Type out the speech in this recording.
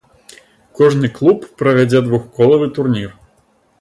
Кожны клуб правядзе двухколавы турнір.